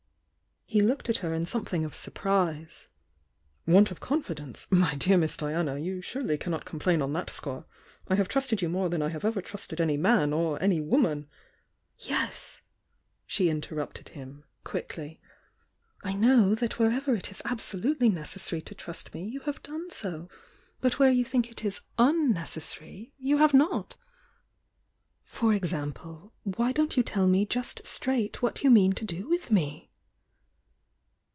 He looked at her in something of surprise. "Want of confidence? My dear Miss Diana, you surely cannot complain on that score! I have trusted you more than I have ever trusted any man or any woman " "Yes," she interrupted him, quickly— "I know that wherever it is absolutely necessary to trust me you have done so. But where you think it is un MM THE YOUNG DIANA M necew M y, you have not. For example— whv don't you tell me just straight what you mean to do with me?"